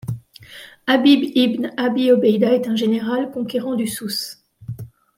Habib ibn Abi Obeida est un général, conquérant du Souss.